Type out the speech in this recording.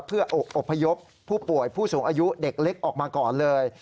เพื่ออบพยพผู้ป่วยผู้สูงอายุเด็กเล็กออกมาก่อนเลย